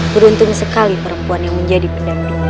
beruntung sekali perempuan yang menjadi pendamping